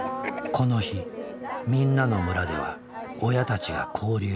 この日「みんなのむら」では親たちが交流をしていた。